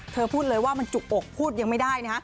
พูดเลยว่ามันจุกอกพูดยังไม่ได้นะฮะ